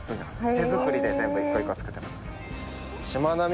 手作りで全部１個１個作ってます。